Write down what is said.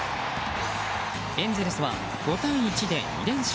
エンゼルスは５対１で２連勝。